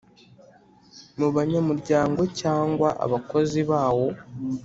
mubanyamuryango, cyangwa abakozi bawo.